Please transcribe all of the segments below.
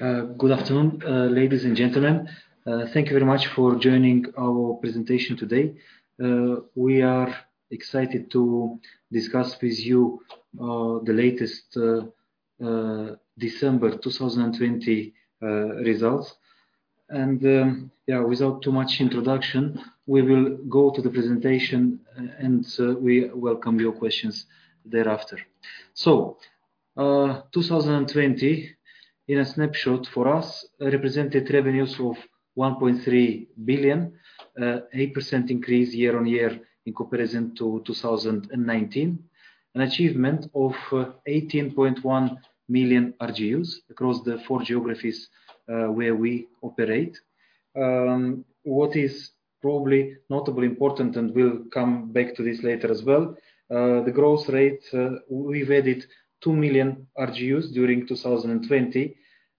Good afternoon, ladies and gentlemen. Thank you very much for joining our presentation today. We are excited to discuss with you the latest December 2020 results. Without too much introduction, we will go to the presentation, and we welcome your questions thereafter. 2020, in a snapshot for us, represented revenues of 1.3 billion, 8% increase year-on-year in comparison to 2019. An achievement of 18.1 million RGUs across the four geographies where we operate. What is probably notably important, and we'll come back to this later as well, the growth rate, we've added 2 million RGUs during 2020.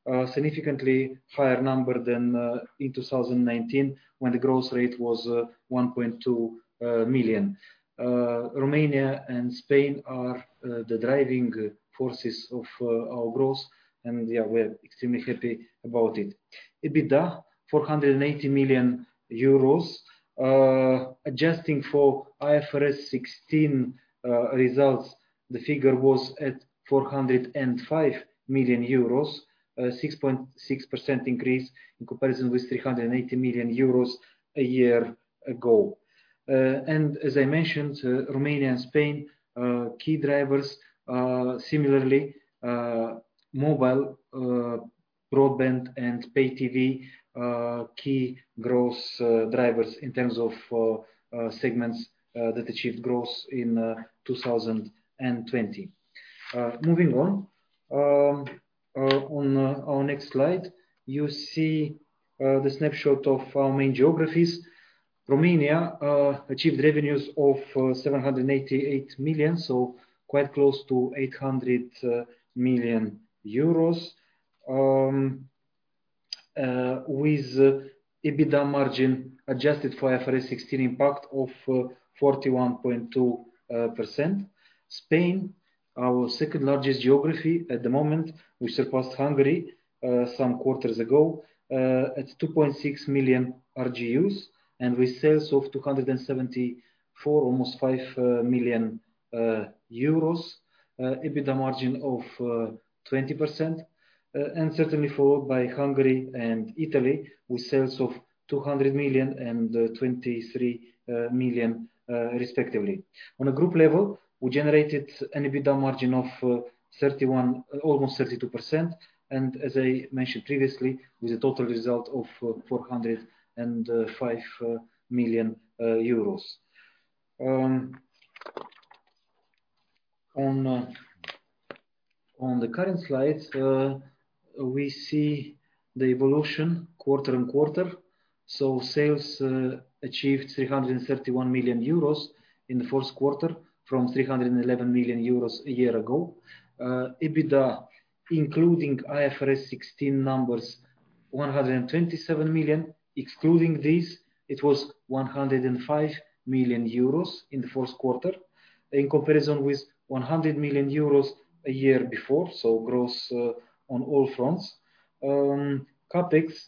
A significantly higher number than in 2019, when the growth rate was 1.2 million. Romania and Spain are the driving forces of our growth, and we're extremely happy about it. EBITDA 480 million euros. Adjusting for IFRS 16 results, the figure was at 405 million euros, a 6.6% increase in comparison with 380 million euros a year ago. As I mentioned, Romania and Spain are key drivers. Similarly, mobile broadband and pay TV are key growth drivers in terms of segments that achieved growth in 2020. Moving on. On our next slide, you see the snapshot of our main geographies. Romania achieved revenues of 788 million, so quite close to 800 million euros, with EBITDA margin adjusted for IFRS 16 impact of 41.2%. Spain, our second-largest geography at the moment, we surpassed Hungary some quarters ago at 2.6 million RGUs, and with sales of 274 million euros, almost EUR 275 million, EBITDA margin of 20%. Certainly followed by Hungary and Italy with sales of 200 million and 23 million respectively. On a group level, we generated an EBITDA margin of 31%, almost 32%, and as I mentioned previously, with a total result of 405 million euros. On the current slide, we see the evolution quarter-over-quarter. Sales achieved 331 million euros in the first quarter from 311 million euros a year ago. EBITDA, including IFRS 16 numbers, 127 million. Excluding this, it was 105 million euros in the first quarter in comparison with 100 million euros a year before. Growth on all fronts. CapEx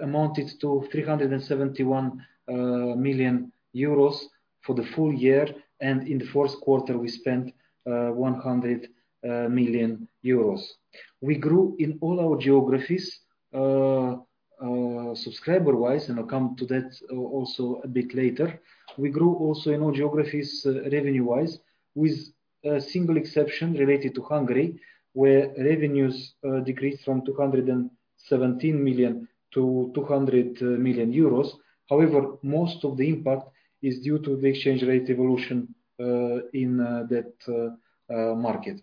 amounted to 371 million euros for the full year, and in the first quarter, we spent 100 million euros. We grew in all our geographies subscriber-wise, and I'll come to that also a bit later. We grew also in all geographies revenue-wise with a single exception related to Hungary, where revenues decreased from 217 million to 200 million euros. However, most of the impact is due to the exchange rate evolution in that market.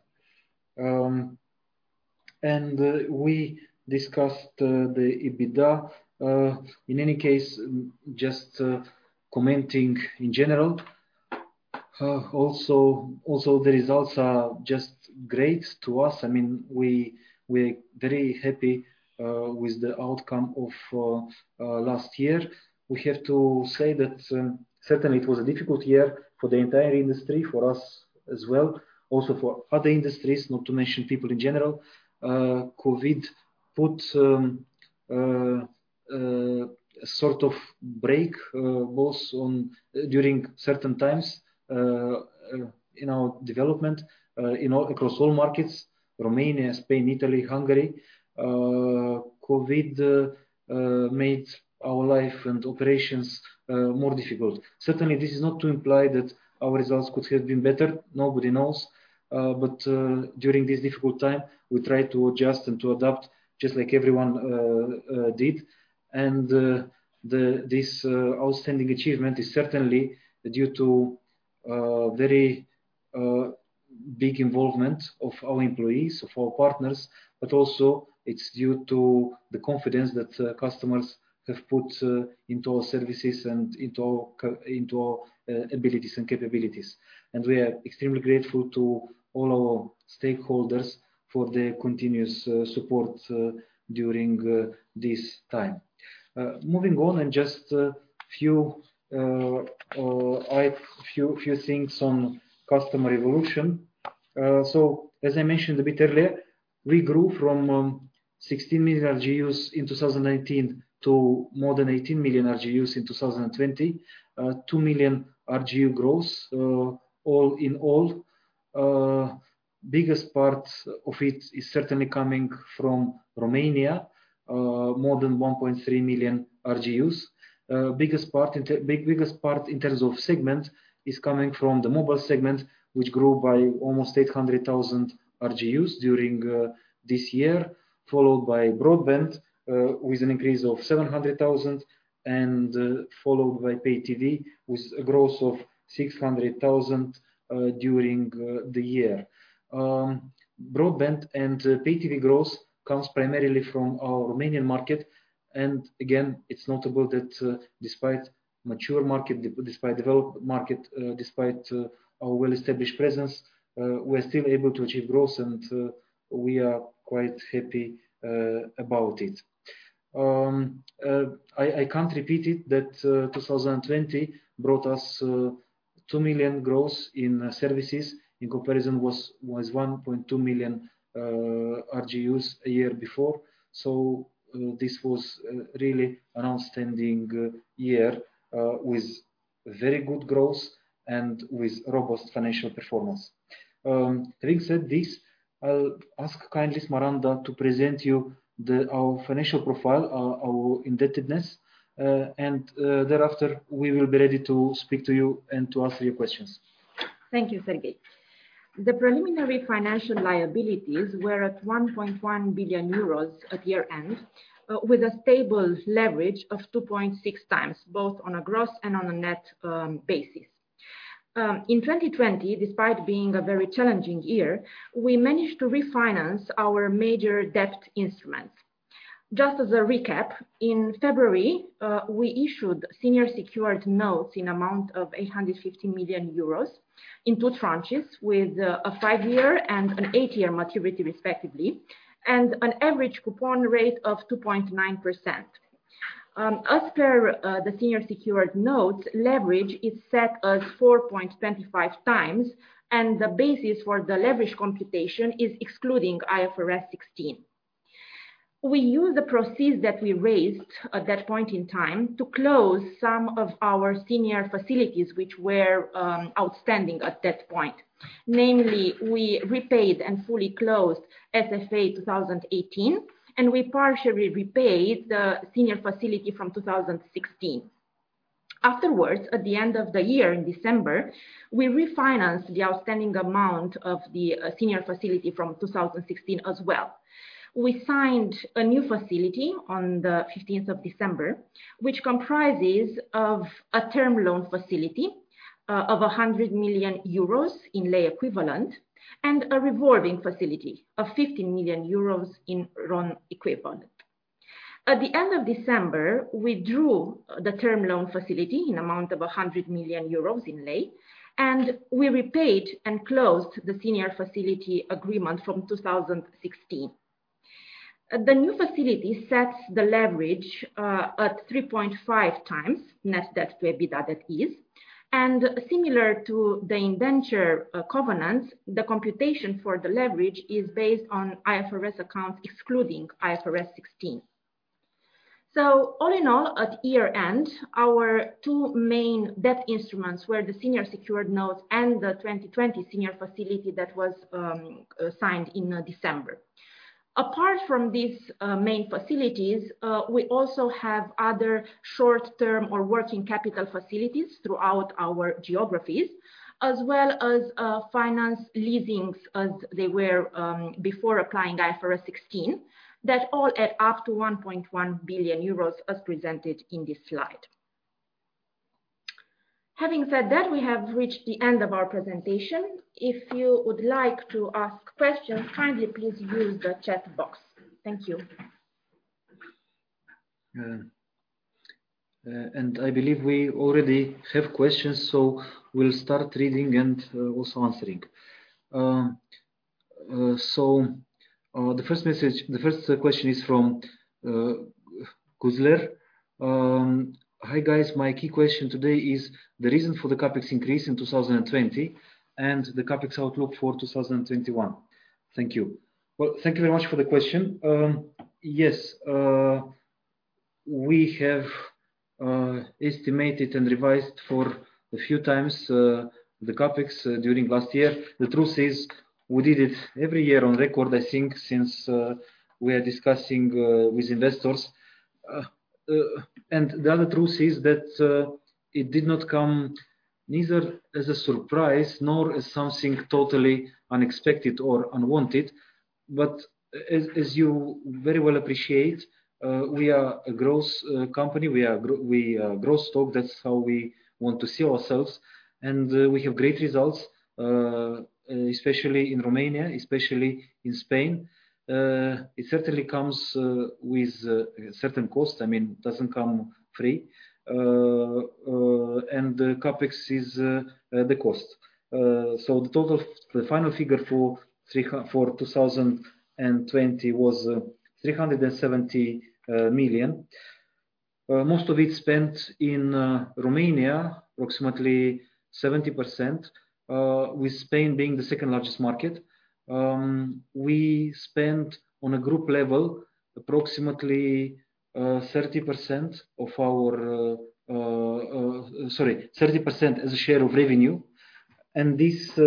We discussed the EBITDA. In any case, just commenting in general, also the results are just great to us. We're very happy with the outcome of last year. We have to say that certainly it was a difficult year for the entire industry, for us as well, also for other industries, not to mention people in general. COVID put a sort of brake both during certain times in our development across all markets, Romania, Spain, Italy, Hungary. COVID made our life and operations more difficult. Certainly, this is not to imply that our results could have been better. Nobody knows. During this difficult time, we tried to adjust and to adapt just like everyone did. This outstanding achievement is certainly due to very big involvement of our employees, of our partners, but also it's due to the confidence that customers have put into our services and into our abilities and capabilities. We are extremely grateful to all our stakeholders for their continuous support during this time. Moving on, just a few things on customer evolution. As I mentioned a bit earlier, we grew from 16 million RGUs in 2019 to more than 18 million RGUs in 2020. 2 million RGU growth all in all. Biggest part of it is certainly coming from Romania, more than 1.3 million RGUs. Biggest part in terms of segment is coming from the mobile segment, which grew by almost 800,000 RGUs during this year, followed by broadband, with an increase of 700,000 and followed by pay TV, with a growth of 600,000 during the year. Broadband and pay TV growth comes primarily from our Romanian market and again, it's notable that despite mature market, despite developed market, despite our well-established presence, we're still able to achieve growth and we are quite happy about it. I can't repeat it that 2020 brought us 2 million growth in services. In comparison, it was 1.2 million RGUs a year before. This was really an outstanding year, with very good growth and with robust financial performance. Having said this, I'll ask kindly Smaranda to present you our financial profile, our indebtedness, and thereafter we will be ready to speak to you and to answer your questions. Thank you, Serghei. The preliminary financial liabilities were at 1.1 billion euros at year-end, with a stable leverage of 2.6x, both on a gross and on a net basis. In 2020 despite being a very challenging year, we managed to refinance our major debt instruments. Just as a recap, in February, we issued senior secured notes in amount of 850 million euros in two tranches with a five-year and an eight-year maturity, respectively, and an average coupon rate of 2.9%. As per the senior secured notes, leverage is set at 4.25x, and the basis for the leverage computation is excluding IFRS 16. We used the proceeds that we raised at that point in time to close some of our senior facilities, which were outstanding at that point. Namely, we repaid and fully closed SFA 2018, and we partially repaid the senior facility from 2016. Afterwards, at the end of the year, in December, we refinanced the outstanding amount of the senior facility from 2016 as well. We signed a new facility on the 15th of December, which comprises of a term loan facility of 100 million euros in lei equivalent, and a revolving facility of 50 million euros in RON equivalent. At the end of December, we drew the term loan facility in amount of 100 million euros in lei, and we repaid and closed the senior facility agreement from 2016. The new facility sets the leverage at 3.5x net debt to EBITDA that is, and similar to the indenture covenants, the computation for the leverage is based on IFRS accounts excluding IFRS 16. All in all, at year-end, our two main debt instruments were the senior secured notes and the 2020 senior facility that was signed in December. Apart from these main facilities, we also have other short-term or working capital facilities throughout our geographies as well as finance leasings as they were before applying IFRS 16, that all add up to 1.1 billion euros as presented in this slide. Having said that, we have reached the end of our presentation. If you would like to ask questions, kindly please use the chat box. Thank you. I believe we already have questions, so we'll start reading and also answering. The first question is from Gusler. "Hi, guys. My key question today is the reason for the CapEx increase in 2020 and the CapEx outlook for 2021. Thank you." Well, thank you very much for the question. Yes, we have estimated and revised for a few times, the CapEx, during last year. The truth is we did it every year on record, I think, since we are discussing with investors. The other truth is that it did not come neither as a surprise nor as something totally unexpected or unwanted. As you very well appreciate, we are a growth company. We are growth stock. That's how we want to see ourselves. We have great results, especially in Romania, especially in Spain. It certainly comes with certain cost. I mean, it doesn't come free. CapEx is the cost. The final figure for 2020 was 370 million. Most of it spent in Romania, approximately 70%, with Spain being the second largest market. We spent on a group level approximately 30% as a share of revenue, and this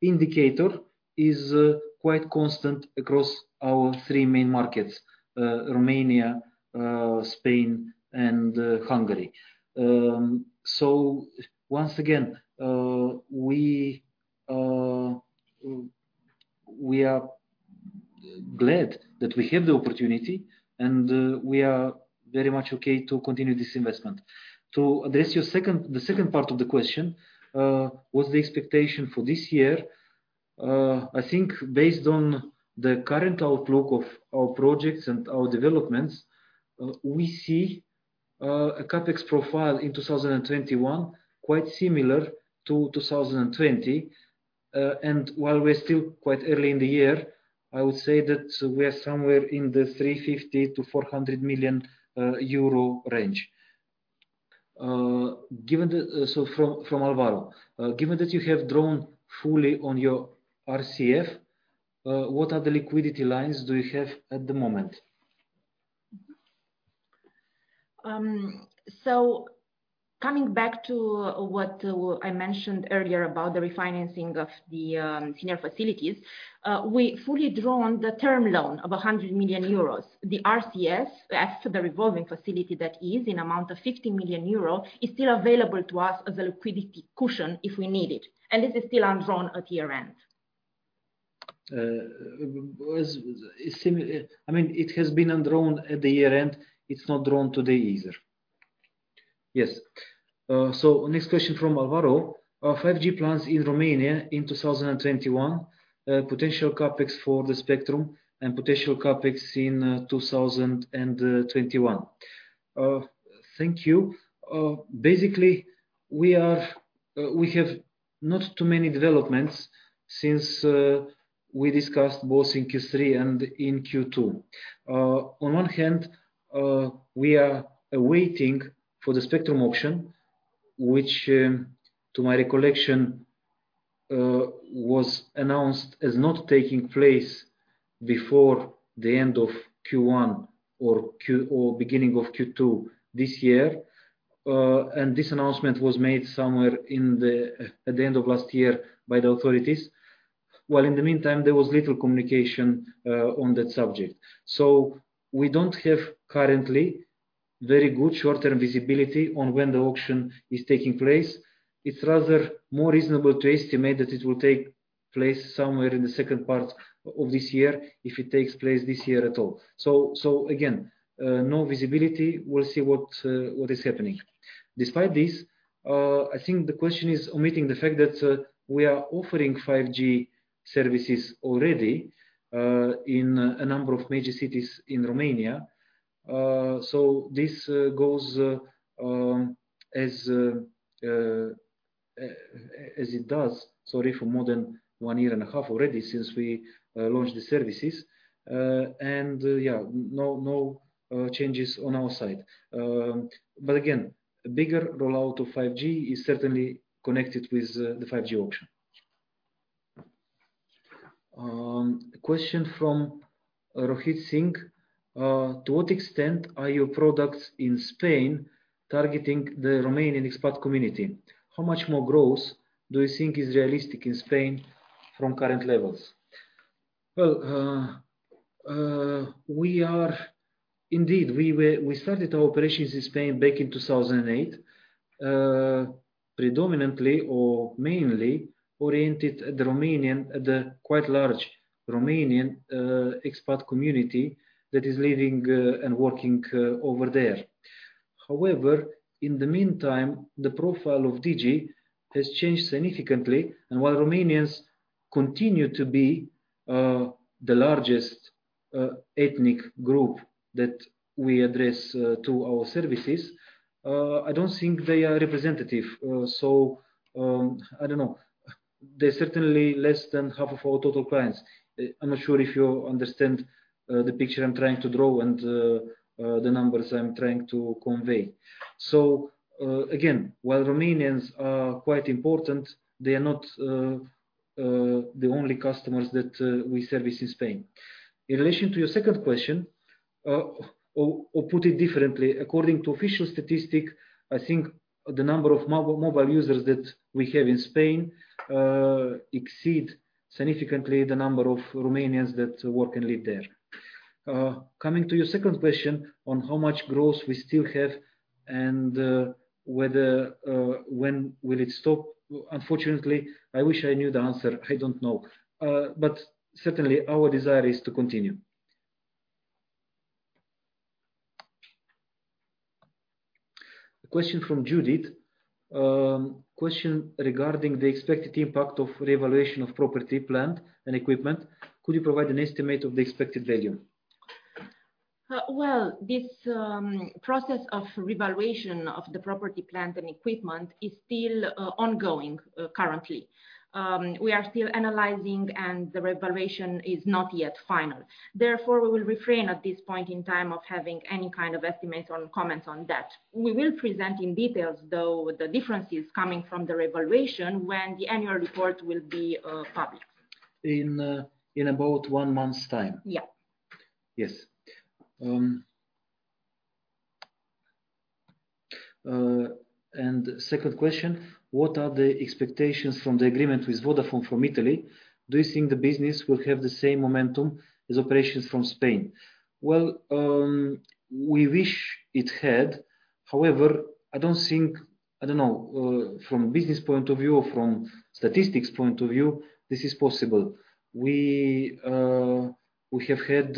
indicator is quite constant across our three main markets, Romania, Spain, and Hungary. Once again, we are glad that we have the opportunity, and we are very much okay to continue this investment. To address the second part of the question, what's the expectation for this year? I think based on the current outlook of our projects and our developments, we see a CapEx profile in 2021 quite similar to 2020. While we're still quite early in the year, I would say that we are somewhere in the 350 million-400 million euro range. From Alvaro, "Given that you have drawn fully on your RCF, what liquidity lines do you have at the moment? Coming back to what I mentioned earlier about the refinancing of the senior facilities, we fully drawn the term loan of 100 million euros. The RCF, as to the revolving facility that is in amount of 50 million euro, is still available to us as a liquidity cushion if we need it, and this is still undrawn at year-end. It has been undrawn at the year-end. It's not drawn today either. Yes. Next question from Alvaro, "5G plans in Romania in 2021, potential CapEx for the spectrum, and potential CapEx in 2021." Thank you. Basically, we have not too many developments since we discussed both in Q3 and in Q2. On one hand, we are waiting for the spectrum auction, which, to my recollection, was announced as not taking place before the end of Q1 or beginning of Q2 this year. This announcement was made somewhere at the end of last year by the authorities, while in the meantime, there was little communication on that subject. We don't have currently very good short-term visibility on when the auction is taking place. It's rather more reasonable to estimate that it will take place somewhere in the second part of this year, if it takes place this year at all. Again, no visibility. We'll see what is happening. Despite this, I think the question is omitting the fact that we are offering 5G services already in a number of major cities in Romania. This goes as it does, sorry, for more than one year and a half already since we launched the services. Yeah, no changes on our side. Again, a bigger rollout of 5G is certainly connected with the 5G auction. A question from Rohit Singh, "To what extent are your products in Spain targeting the Romanian expat community? How much more growth do you think is realistic in Spain from current levels?" Well, indeed, we started our operations in Spain back in 2008, predominantly or mainly oriented at the quite large Romanian expat community that is living and working over there. However, in the meantime, the profile of Digi has changed significantly. While Romanians continue to be the largest ethnic group that we address to our services, I don't think they are representative. I don't know. They're certainly less than half of our total clients. I'm not sure if you understand the picture I'm trying to draw and the numbers I'm trying to convey. Again, while Romanians are quite important, they are not the only customers that we service in Spain. In relation to your second question, or put it differently, according to official statistics, I think the number of mobile users that we have in Spain exceed significantly the number of Romanians that work and live there. Coming to your second question on how much growth we still have and when will it stop? Unfortunately, I wish I knew the answer. I don't know. Certainly our desire is to continue. A question from Judith. Question regarding the expected impact of revaluation of property, plant, and equipment. Could you provide an estimate of the expected value? Well, this process of revaluation of the property, plant, and equipment is still ongoing currently. We are still analyzing, and the revaluation is not yet final. Therefore, we will refrain at this point in time of having any kind of estimates or comments on that. We will present in details, though, the differences coming from the revaluation when the annual report will be published. In about one month's time? Yeah. Yes. Second question, what are the expectations from the agreement with Vodafone from Italy? Do you think the business will have the same momentum as operations from Spain? Well, we wish it had. However, I don't think, from a business point of view or from statistics point of view, this is possible. We have had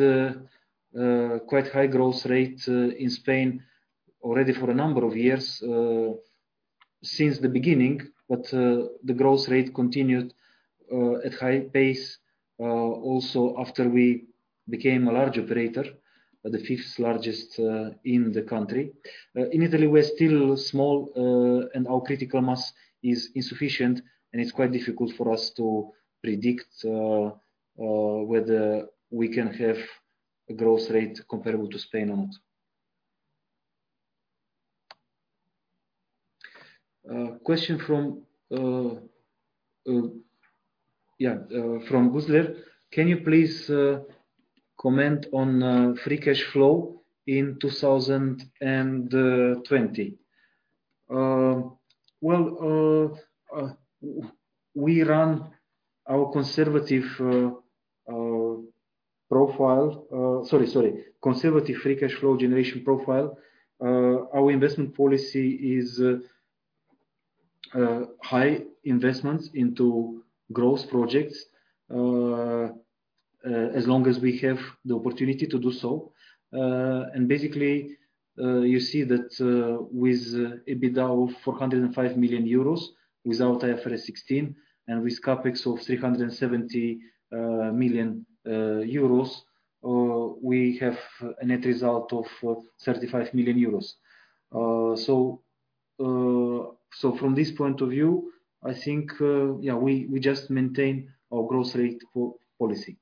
quite high growth rate in Spain already for a number of years, since the beginning. The growth rate continued at high pace, also after we became a large operator, the fifth largest in the country. In Italy, we're still small, and our critical mass is insufficient, and it's quite difficult for us to predict whether we can have a growth rate comparable to Spain or not. A question from Gusler. Can you please comment on free cash flow in 2020? Well, we run our conservative free cash flow generation profile. Our investment policy is high investments into growth projects, as long as we have the opportunity to do so. Basically, you see that with EBITDA of 405 million euros, without IFRS 16, and with CapEx of 370 million euros, we have a net result of 35 million euros. From this point of view, I think, yeah, we just maintain our growth rate policy.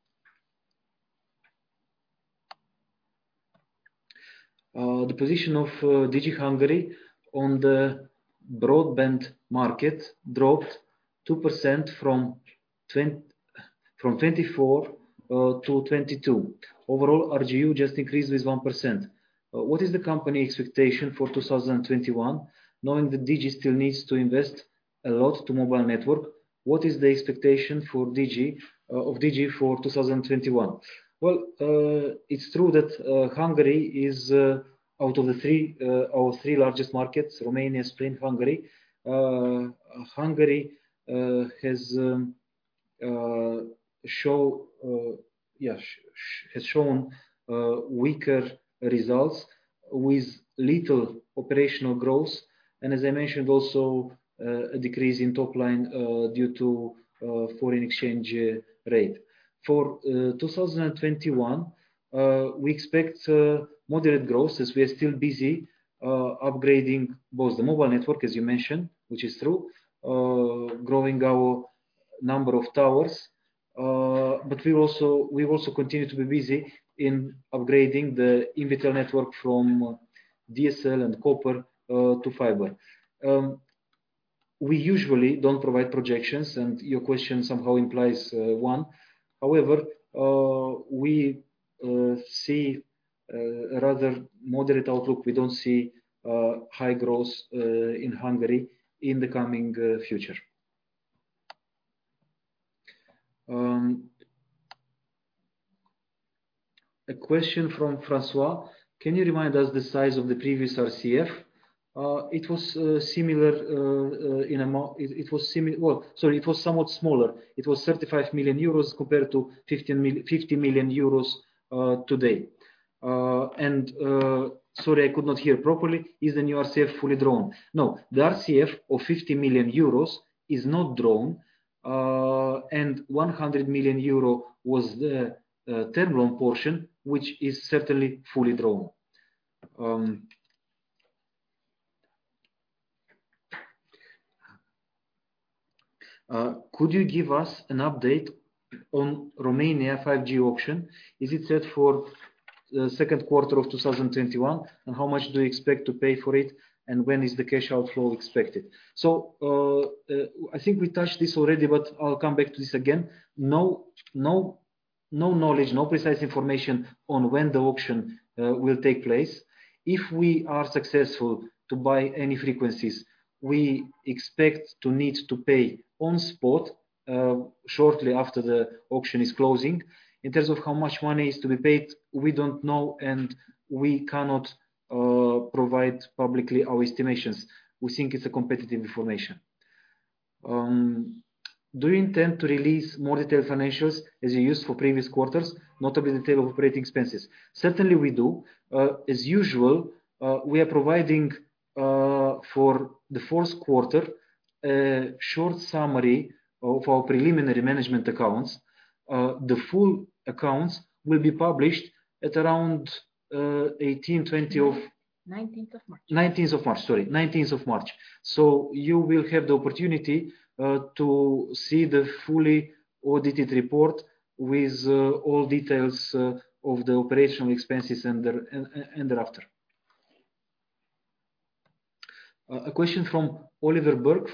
The position of Digi Hungary on the broadband market dropped 2% from 24% to 22%. Overall, RGU just increased with 1%. What is the company expectation for 2021, knowing that Digi still needs to invest a lot to mobile network? What is the expectation of Digi for 2021? Well, it's true that Hungary is one of our three largest markets, Romania, Spain, Hungary. Hungary has shown weaker results with little operational growth and, as I mentioned, also a decrease in top line due to foreign exchange rate. For 2021, we expect moderate growth as we are still busy upgrading both the mobile network, as you mentioned, which is true, growing our number of towers. We've also continued to be busy in upgrading the Invitel network from DSL and copper to fiber. We usually don't provide projections, and your question somehow implies one. However, we see a rather moderate outlook. We don't see high growth in Hungary in the coming future. A question from Francois. Can you remind us the size of the previous RCF? It was somewhat smaller. It was 35 million euros compared to 50 million euros today. Sorry, I could not hear properly. Is the new RCF fully drawn? No, the RCF of 50 million euros is not drawn. 100 million euro was the term loan portion, which is certainly fully drawn. Could you give us an update on Romania 5G auction? Is it set for the second quarter of 2021? And how much do you expect to pay for it? And when is the cash outflow expected? I think we touched this already, but I'll come back to this again. No knowledge, no precise information on when the auction will take place. If we are successful to buy any frequencies, we expect to need to pay on spot shortly after the auction is closing. In terms of how much money is to be paid, we don't know, and we cannot provide publicly our estimations. We think it's a competitive information. Do you intend to release more detailed financials as you used for previous quarters, notably detail of operating expenses? Certainly, we do. As usual, we are providing, for the fourth quarter, a short summary of our preliminary management accounts. The full accounts will be published at around 18th, 20th of... 19th of March. Sorry, 19th of March. You will have the opportunity to see the fully audited report with all details of the operational expenses and thereafter. A question from Oliver Burke.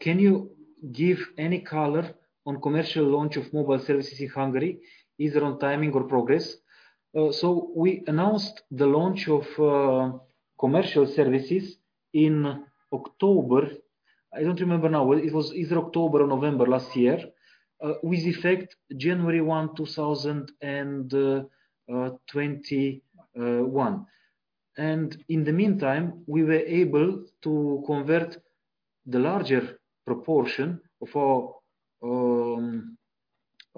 Can you give any color on commercial launch of mobile services in Hungary, either on timing or progress? We announced the launch of commercial services in October. I don't remember now, it was either October or November last year, with effect January 1, 2021. In the meantime, we were able to convert the larger proportion of our, how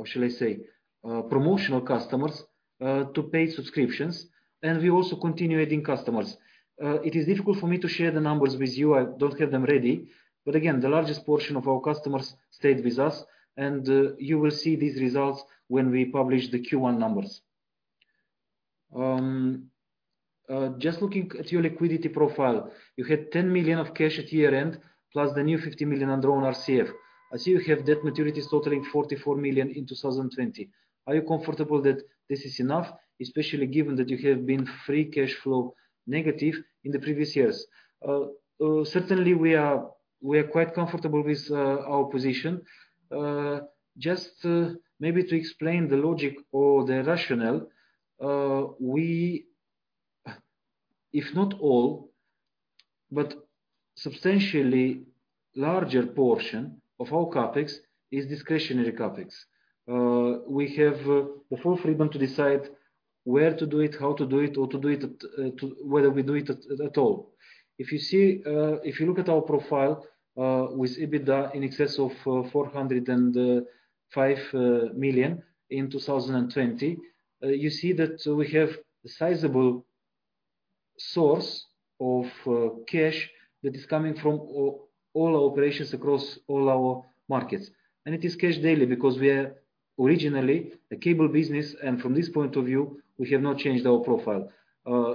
shall I say, promotional customers to paid subscriptions. We also continue adding customers. It is difficult for me to share the numbers with you. I don't have them ready. Again, the largest portion of our customers stayed with us, and you will see these results when we publish the Q1 numbers. Just looking at your liquidity profile, you had 10 million of cash at year-end, plus the new 50 million undrawn RCF. I see you have debt maturities totaling 44 million in 2020. Are you comfortable that this is enough, especially given that you have been free cash flow negative in the previous years? Certainly, we are quite comfortable with our position. Just maybe to explain the logic or the rationale, if not all, but substantially larger portion of our CapEx is discretionary CapEx. We have the full freedom to decide where to do it, how to do it, or whether we do it at all. If you look at our profile with EBITDA in excess of 405 million in 2020, you see that we have a sizable source of cash that is coming from all our operations across all our markets. It is cash daily because we are originally a cable business, and from this point of view, we have not changed our profile.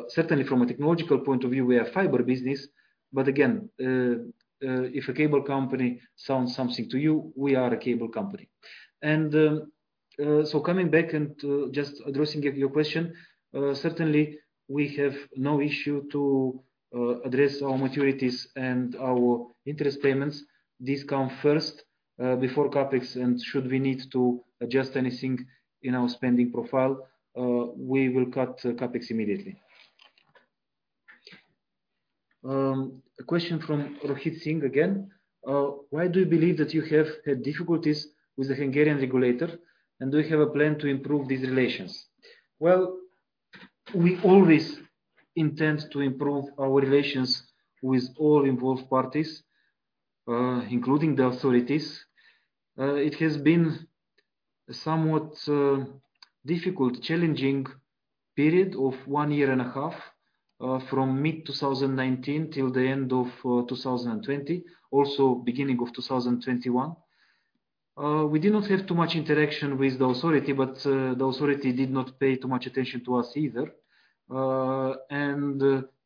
Certainly from a technological point of view, we are a fiber business. Again, if a cable company sounds like something to you, we are a cable company. Coming back and just addressing your question, certainly we have no issue to address our maturities and our interest payments. These come first before CapEx, and should we need to adjust anything in our spending profile, we will cut CapEx immediately. A question from Rohit Singh again. Why do you believe that you have had difficulties with the Hungarian regulator, and do you have a plan to improve these relations? Well, we always intend to improve our relations with all involved parties, including the authorities. It has been somewhat difficult, challenging period of one year and a half, from mid-2019 till the end of 2020, also beginning of 2021. We did not have too much interaction with the authority, but the authority did not pay too much attention to us either.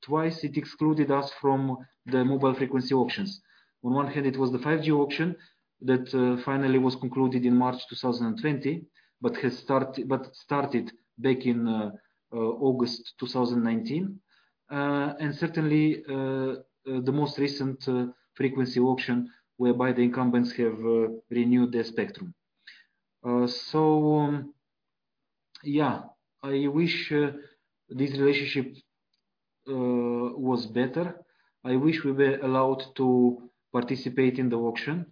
Twice it excluded us from the mobile frequency auctions. On one hand, it was the 5G auction that finally was concluded in March 2020, but started back in August 2019. Certainly the most recent frequency auction, whereby the incumbents have renewed their spectrum. Yeah, I wish this relationship was better. I wish we were allowed to participate in the auction.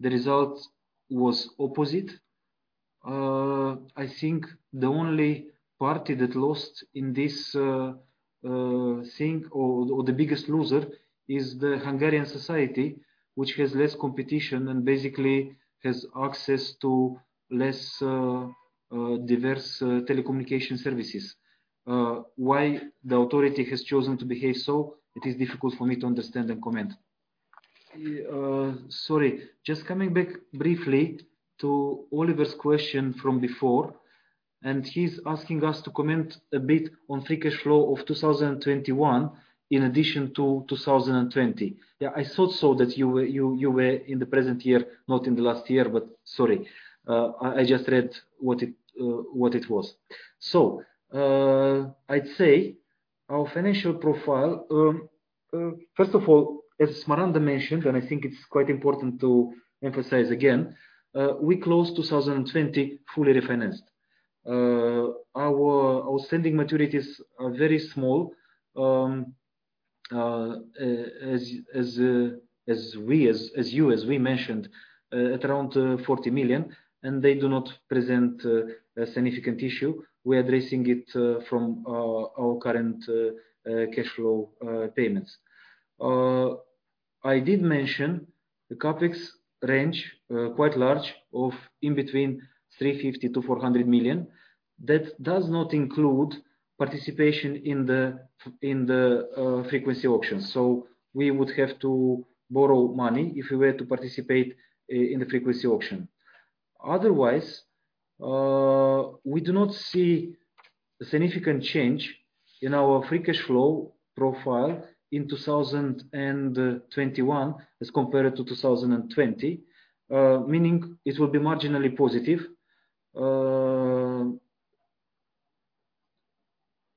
The result was opposite. I think the only party that lost in this thing or the biggest loser is the Hungarian society, which has less competition and basically has access to less diverse telecommunication services. Why the authority has chosen to behave so, it is difficult for me to understand and comment. Sorry, just coming back briefly to Oliver's question from before, and he's asking us to comment a bit on free cash flow of 2021 in addition to 2020. Yeah, I thought so that you were in the present year, not in the last year, but sorry. I just read what it was. I'd say our financial profile, first of all, as Smaranda mentioned, and I think it's quite important to emphasize again, we closed 2020 fully refinanced. Our outstanding maturities are very small, as we mentioned, at around 40 million, and they do not present a significant issue. We are addressing it from our current cash flow payments. I did mention the CapEx range, quite large, of in between 350 million to 400 million. That does not include participation in the frequency auction. We would have to borrow money if we were to participate in the frequency auction. Otherwise, we do not see a significant change in our free cash flow profile in 2021 as compared to 2020. Meaning it will be marginally positive. On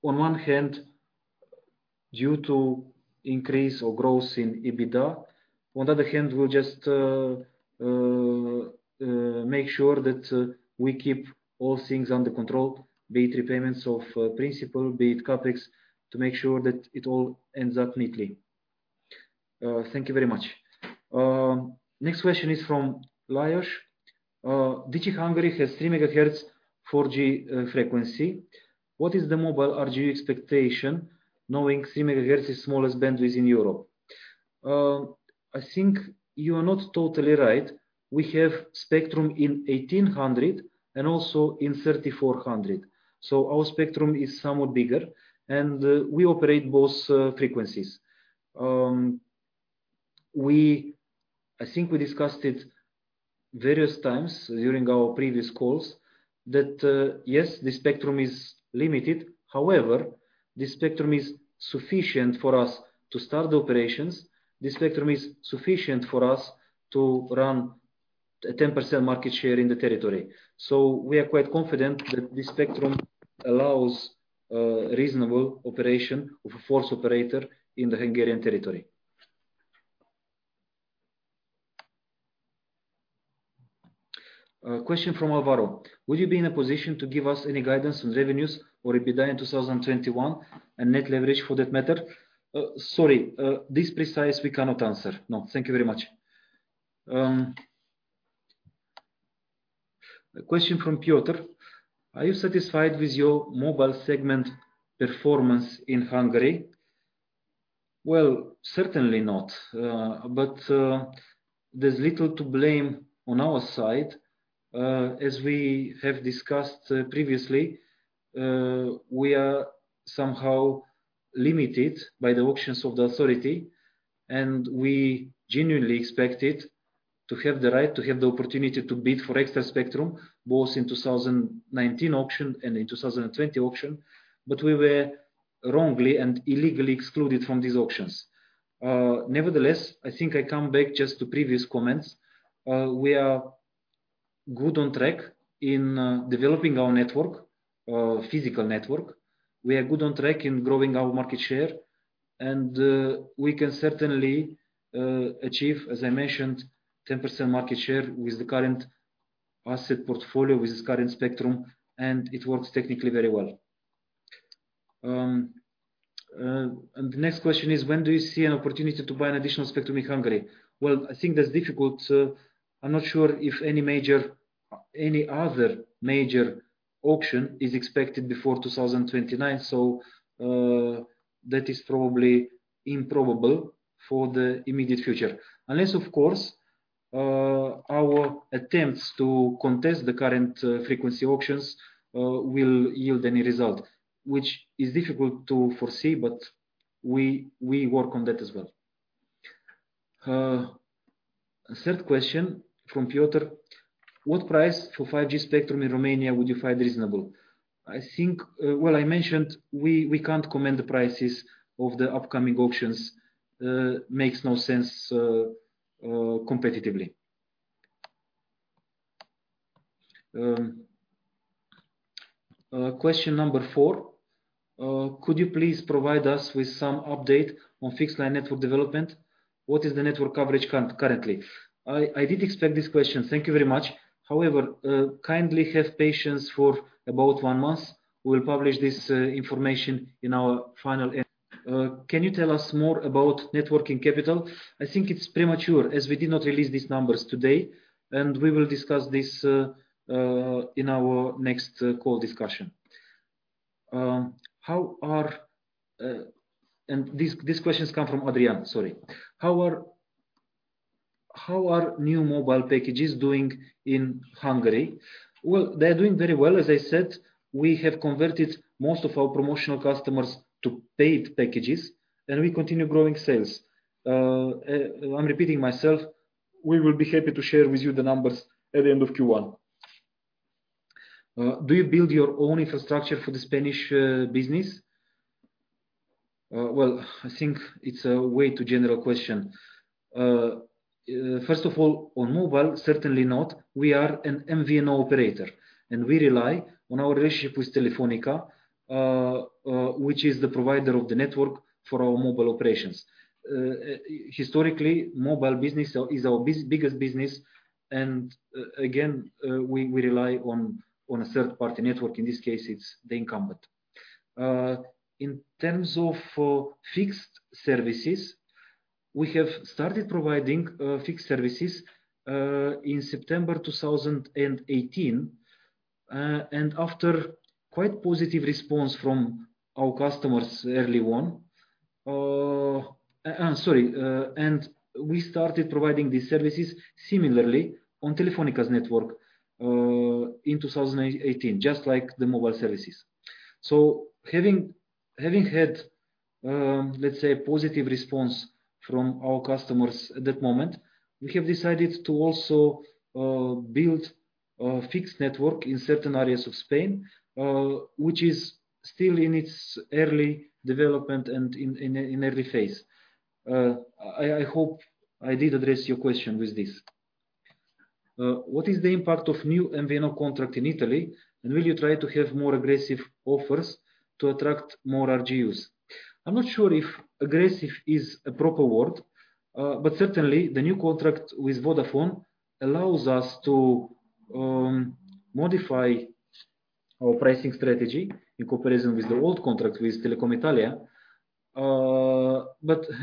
one hand, due to increase or growth in EBITDA. On the other hand, we'll just make sure that we keep all things under control, be it repayments of principal, be it CapEx, to make sure that it all ends up neatly. Thank you very much. Next question is from Lajos. "Digi Hungary has 3 MHz 4G frequency. What is the mobile RGU expectation knowing 3 MHz is smallest bandwidth in Europe?" I think you are not totally right. We have spectrum in 1,800 and also in 3,400. Our spectrum is somewhat bigger, and we operate both frequencies. I think we discussed it various times during our previous calls that, yes, the spectrum is limited. However, this spectrum is sufficient for us to start operations. This spectrum is sufficient for us to run a 10% market share in the territory. We are quite confident that this spectrum allows reasonable operation of a fourth operator in the Hungarian territory. A question from Alvaro: "Would you be in a position to give us any guidance on revenues or EBITDA in 2021 and net leverage for that matter?" Sorry. This precisely we cannot answer. No. Thank you very much. A question from Piotr: "Are you satisfied with your mobile segment performance in Hungary?" Well, certainly not. There's little to blame on our side. As we have discussed previously, we are somehow limited by the auctions of the authority, and we genuinely expected to have the right, to have the opportunity to bid for extra spectrum, both in 2019 auction and in 2020 auction, but we were wrongly and illegally excluded from these auctions. Nevertheless, I think I come back just to previous comments. We are good on track in developing our network, physical network. We are good on track in growing our market share, and we can certainly achieve, as I mentioned, 10% market share with the current asset portfolio, with this current spectrum, and it works technically very well. The next question is: "When do you see an opportunity to buy an additional spectrum in Hungary?" Well, I think that's difficult. I'm not sure if any other major auction is expected before 2029, so that is probably improbable for the immediate future. Unless, of course, our attempts to contest the current frequency auctions will yield any result, which is difficult to foresee, but we work on that as well. A third question from Piotr: "What price for 5G spectrum in Romania would you find reasonable?" I think, well, I mentioned we can't comment the prices of the upcoming auctions. Makes no sense competitively. Question number four: "Could you please provide us with some update on fixed line network development? What is the network coverage currently?" I did expect this question. Thank you very much. However, kindly have patience for about one month. We'll publish this information in our final end. Can you tell us more about net working capital?" I think it's premature, as we did not release these numbers today, and we will discuss this in our next call discussion. These questions come from Adrian, sorry. "How are new mobile packages doing in Hungary?" Well, they are doing very well. As I said, we have converted most of our promotional customers to paid packages, and we continue growing sales. I'm repeating myself. We will be happy to share with you the numbers at the end of Q1. "Do you build your own infrastructure for the Spanish business?" Well, I think it's a way too general question. First of all, on mobile, certainly not. We are an MVNO operator, and we rely on our relationship with Telefónica, which is the provider of the network for our mobile operations. Historically, mobile business is our biggest business, and again, we rely on a third-party network. In this case, it's the incumbent. In terms of fixed services, we have started providing fixed services in September 2018, and after quite positive response from our customers early on, we started providing these services similarly on Telefónica's network in 2018, just like the mobile services. Having had, let's say, positive response from our customers at that moment, we have decided to also build a fixed network in certain areas of Spain, which is still in its early development and in early phase. I hope I did address your question with this. What is the impact of new MVNO contract in Italy? And will you try to have more aggressive offers to attract more RGUs? I'm not sure if aggressive is a proper word, but certainly the new contract with Vodafone allows us to modify our pricing strategy in comparison with the old contract with Telecom Italia.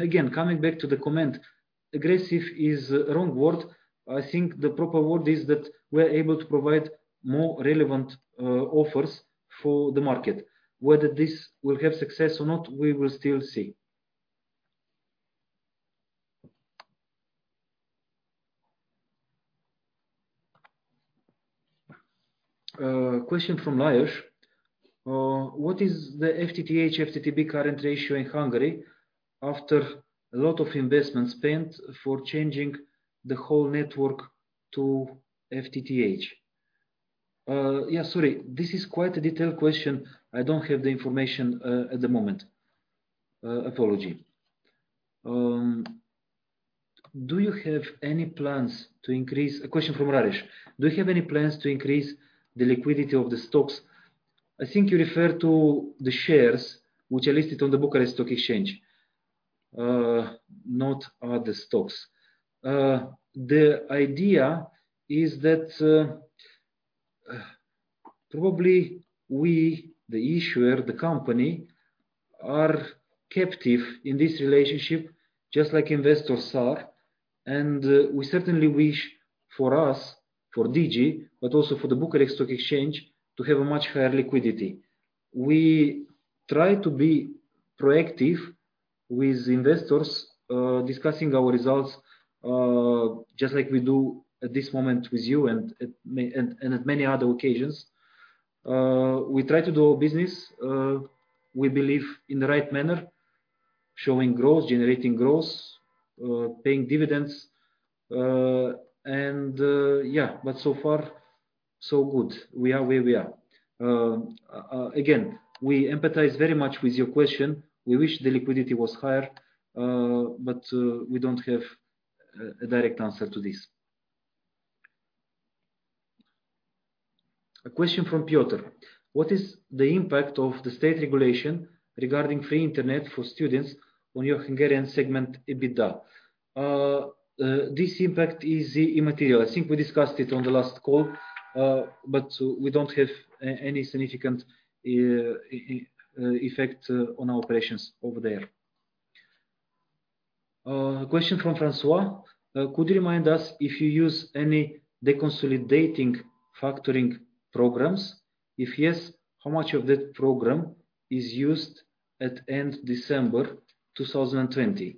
Again, coming back to the comment, aggressive is a wrong word. I think the proper word is that we're able to provide more relevant offers for the market. Whether this will have success or not, we will still see. A question from Naresh. What is the FTTH, FTTB current ratio in Hungary after a lot of investment spent for changing the whole network to FTTH? Yeah, sorry. This is quite a detailed question. I don't have the information at the moment. Apology. A question from Radesh. Do you have any plans to increase the liquidity of the stocks? I think you refer to the shares which are listed on the Bucharest Stock Exchange, not other stocks. The idea is that probably we, the issuer, the company, are captive in this relationship just like investors are. We certainly wish for us, for Digi, but also for the Bucharest Stock Exchange, to have a much higher liquidity. We try to be proactive with investors, discussing our results, just like we do at this moment with you and at many other occasions. We try to do our business, we believe, in the right manner, showing growth, generating growth, paying dividends. Yeah, but so far so good. We are where we are. Again, we empathize very much with your question. We wish the liquidity was higher, but we don't have a direct answer to this. A question from Piotr. What is the impact of the state regulation regarding free internet for students on your Hungarian segment, EBITDA? This impact is immaterial. I think we discussed it on the last call, but we don't have any significant effect on our operations over there. A question from Francois. Could you remind us if you use any deconsolidating factoring programs? If yes, how much of that program is used at end December 2020?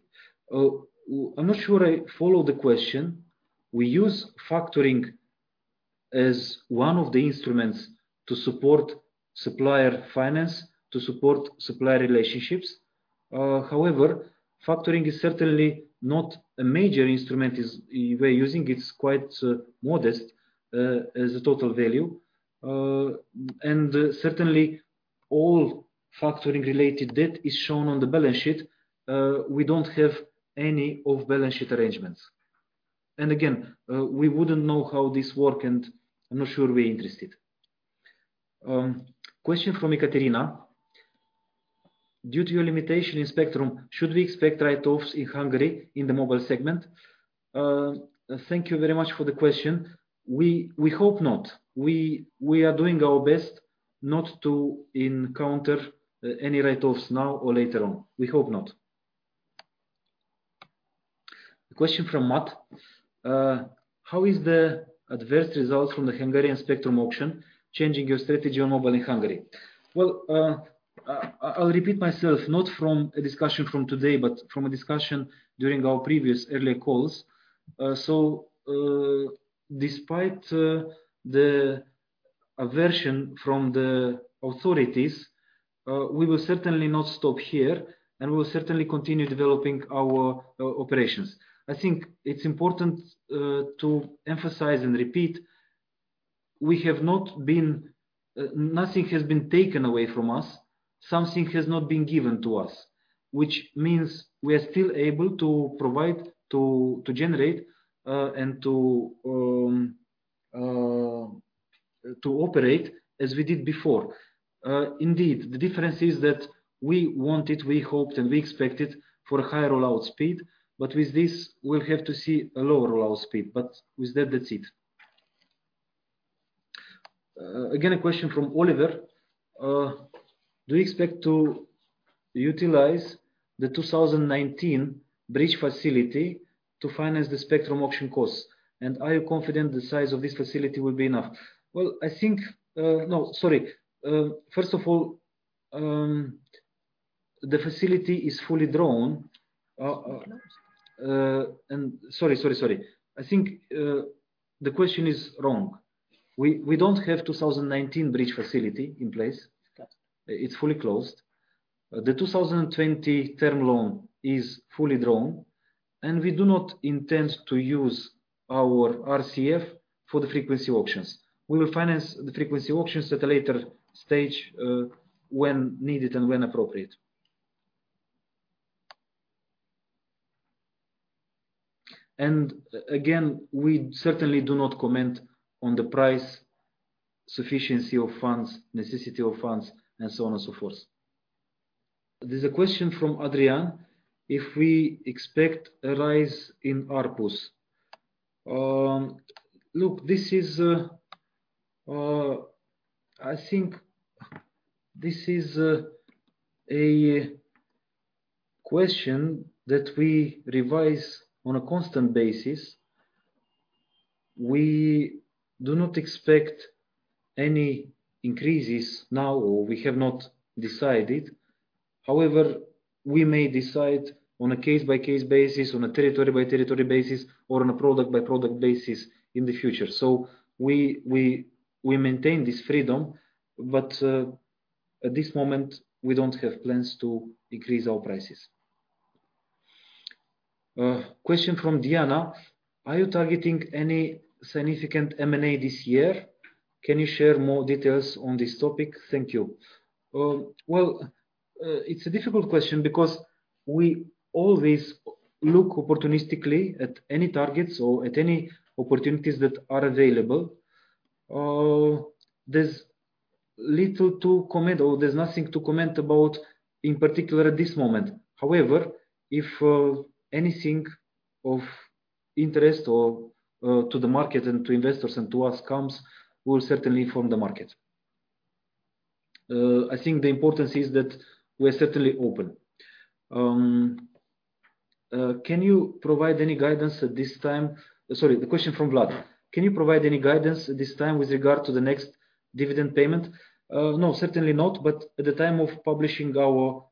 I'm not sure I follow the question. We use factoring as one of the instruments to support supplier finance, to support supplier relationships. However, factoring is certainly not a major instrument we're using. It's quite modest as a total value. Certainly all factoring related debt is shown on the balance sheet. We don't have any off-balance sheet arrangements. Again, we wouldn't know how this works, and I'm not sure we're interested. Question from Ekaterina. Due to your limitation in spectrum, should we expect write-offs in Hungary in the mobile segment? Thank you very much for the question. We hope not. We are doing our best not to encounter any write-offs now or later on. We hope not. A question from Matt. How is the adverse results from the Hungarian spectrum auction changing your strategy on mobile in Hungary? Well, I'll repeat myself, not from a discussion from today, but from a discussion during our previous earlier calls. Despite the decision from the authorities, we will certainly not stop here, and we will certainly continue developing our operations. I think it's important to emphasize and repeat, nothing has been taken away from us. Something has not been given to us. Which means we are still able to provide to generate and to operate as we did before. Indeed, the difference is that we wanted, we hoped, and we expected a higher rollout speed. With this, we'll have to see a lower rollout speed. With that's it. Again, a question from Oliver. Do you expect to utilize the 2019 bridge facility to finance the spectrum auction cost? And are you confident the size of this facility will be enough? No, sorry. First of all, the facility is fully drawn. Sorry. I think the question is wrong. We don't have a 2019 bridge facility in place. It's fully closed. The 2020 term loan is fully drawn, and we do not intend to use our RCF for the frequency auctions. We will finance the frequency auctions at a later stage, when needed and when appropriate. We certainly do not comment on the price, sufficiency of funds, necessity of funds, and so on and so forth. There's a question from Adrian if we expect a rise in ARPU. Look, I think this is a question that we review on a constant basis. We do not expect any increases now, or we have not decided. However, we may decide on a case-by-case basis, on a territory-by-territory basis, or on a product-by-product basis in the future. We maintain this freedom, but at this moment, we don't have plans to increase our prices. A question from Diana. Are you targeting any significant M&A this year? Can you share more details on this topic? Thank you. Well, it's a difficult question because we always look opportunistically at any targets or at any opportunities that are available. There's little to comment, or there's nothing to comment about, in particular at this moment. However, if anything of interest to the market and to investors and to us comes, we'll certainly inform the market. I think the importance is that we're certainly open. The question from Vlad. Can you provide any guidance at this time with regard to the next dividend payment? No, certainly not. At the time of publishing our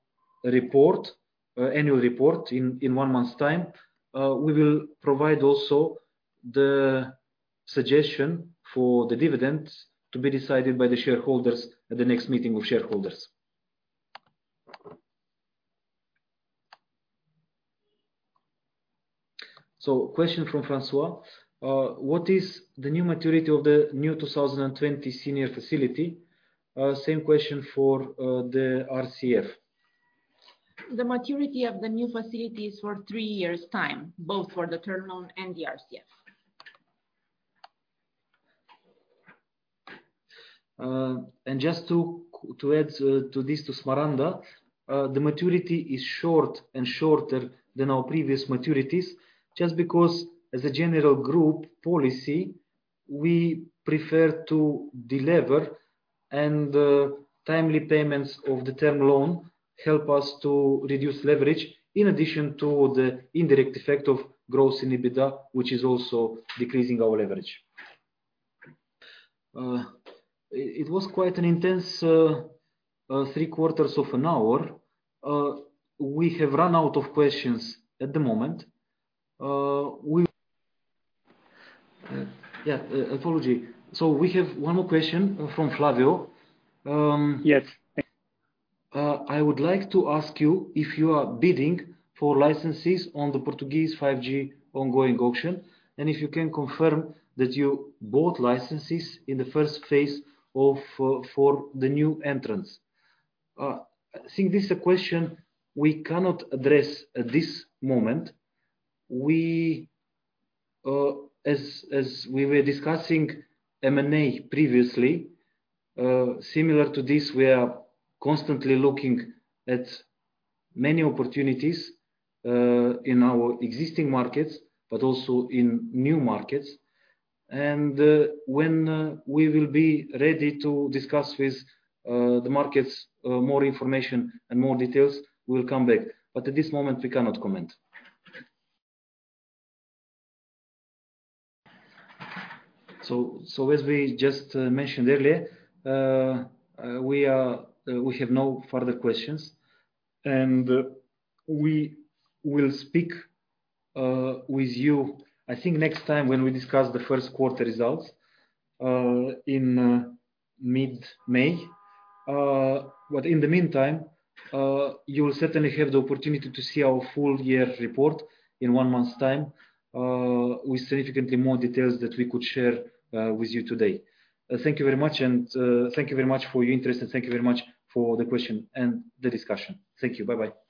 annual report in one month's time, we will provide also the suggestion for the dividend to be decided by the shareholders at the next meeting of shareholders. Question from Francois. What is the new maturity of the new 2020 senior facility? Same question for the RCF. The maturity of the new facility is for three years time, both for the term loan and the RCF. Just to add to this, to Smaranda, the maturity is short and shorter than our previous maturities, just because as a general group policy, we prefer to delever, and timely payments of the term loan help us to reduce leverage in addition to the indirect effect of growth in EBITDA, which is also decreasing our leverage. It was quite an intense three-quarters of an hour. We have run out of questions at the moment. Yeah, apology. We have one more question from Flavio. Yes. I would like to ask you if you are bidding for licenses on the Portuguese 5G ongoing auction, and if you can confirm that you bought licenses in the first phase for the new entrants. I think this is a question we cannot address at this moment. As we were discussing M&A previously, similar to this, we are constantly looking at many opportunities in our existing markets, but also in new markets. When we will be ready to discuss with the markets more information and more details, we'll come back. At this moment, we cannot comment. As we just mentioned earlier, we have no further questions, and we will speak with you, I think, next time when we discuss the first quarter results in mid-May. In the meantime, you will certainly have the opportunity to see our full year report in one month's time, with significantly more details that we could share with you today. Thank you very much, and thank you very much for your interest, and thank you very much for the question and the discussion. Thank you. Bye-bye.